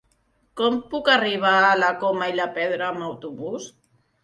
Com puc arribar a la Coma i la Pedra amb autobús?